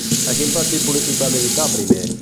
A quin partit polític va militar primer?